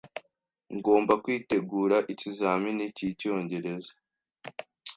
Ngomba kwitegura ikizamini cyicyongereza.